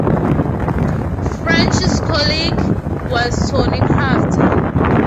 French's colleague was Tony Crafter.